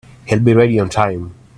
He'll be ready on time.